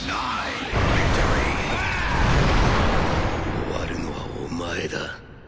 終わるのはお前だ。